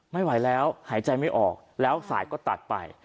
ไม่ไหวแล้วหายใจไม่ออกแล้วสายก็ตัดไป